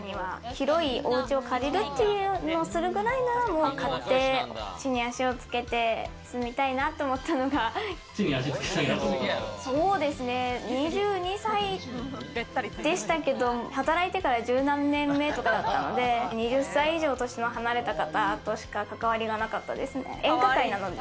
広いお家を借りるっていうのをするぐらいなら、もう買って地に足をつけて住みたいなと思ったのが２２歳でしたけど、働いてから１０何年目とかだったので、２０歳以上年の離れた方としか関わりがなかったですね、演歌界なので。